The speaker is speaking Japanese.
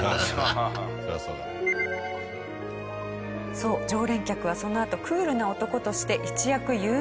そう常連客はそのあと「クールな男」として一躍有名に。